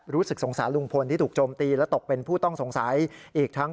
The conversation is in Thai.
รู้สึกสงสารลุงพลที่ถูกโจมตีและตกเป็นผู้ต้องสงสัยอีกทั้ง